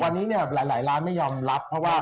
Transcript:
วันนี้เนี่ยหลายล้านไม่ยอมรับเพราะว่า